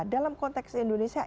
tapi dalam konteks indonesia